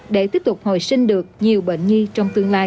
để tiếp tục hồi sinh được nhiều bệnh nhi trong tương lai